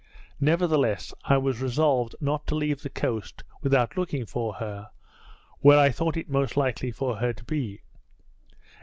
Nevertheless I was resolved not to leave the coast without looking for her, where I thought it most likely for her to be.